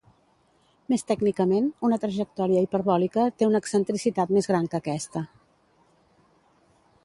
Més tècnicament, una trajectòria hiperbòlica té una excentricitat més gran que aquesta.